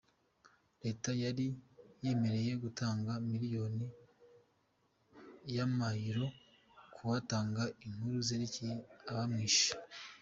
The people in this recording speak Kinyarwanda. Reta yari yemeye gutanga umuliyoni w'ama Euro kuwotanga inkuru zerekeye abamwishe.